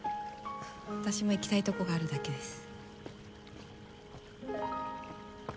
私も行きたいとこがあるだけです。